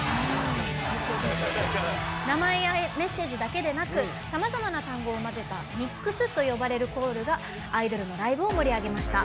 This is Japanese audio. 名前やメッセージだけでなくさまざまな単語を混ぜたＭＩＸと呼ばれるコールがアイドルのライブを盛り上げました。